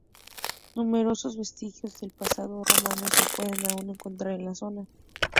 Numerosos vestigios del pasado romano se pueden aún encontrar en la zona.